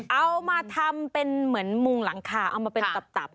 เอามาทำเป็นเหมือนมุงหลังคาเอามาเป็นตับ